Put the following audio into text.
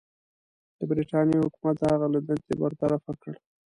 د برټانیې حکومت هغه له دندې برطرفه کړ.